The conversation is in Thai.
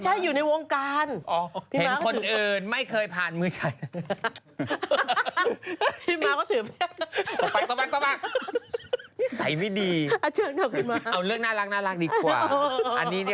เอาเรื่องน่ารักดีกว่า